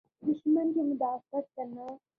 دشمن کی مدافعت کرنا۔